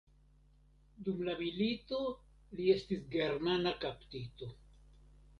Dum la milito li estis germana kaptito.